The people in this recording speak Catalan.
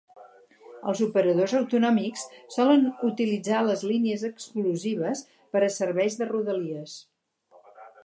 Els operadors autonòmics solen utilitzar línies exclusives per a serveis de rodalies.